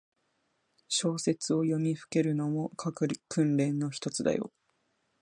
小説を読みふけるのも、書く訓練のひとつだよ。